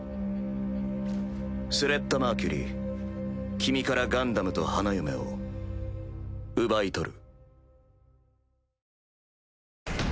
スレッタ・マーキュリー君からガンダムと花嫁を奪い取る。